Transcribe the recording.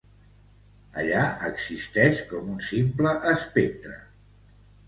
Allí existix com un simple espectre.